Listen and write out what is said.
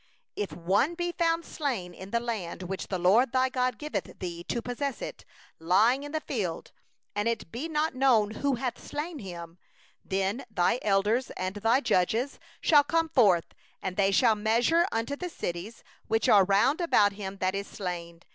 If one be found slain in the land which the LORD thy God giveth thee to possess it, lying in the field, and it be not known who hath smitten him; 2then thy elders and thy judges shall come forth, and they shall measure unto the cities which are round about him that is slain.